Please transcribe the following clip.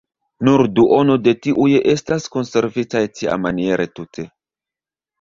Nur duono de tiuj estas konservita tiamaniere tute.